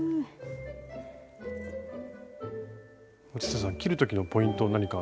松下さん切る時のポイントは何かありますか？